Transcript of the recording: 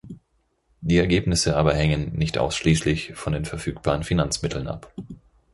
Die Ergebnisse aber hängen nicht ausschließlich von den verfügbaren Finanzmitteln ab.